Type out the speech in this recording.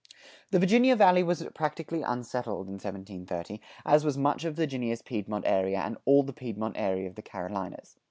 The Virginia Valley was practically unsettled in 1730, as was much of Virginia's Piedmont area and all the Piedmont area of the Carolinas.